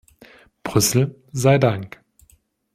Brüssel sei Dank!